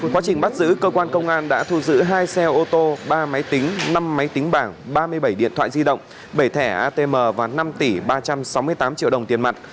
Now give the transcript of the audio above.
quá trình bắt giữ cơ quan công an đã thu giữ hai xe ô tô ba máy tính năm máy tính bảng ba mươi bảy điện thoại di động bảy thẻ atm và năm tỷ ba trăm sáu mươi tám triệu đồng tiền mặt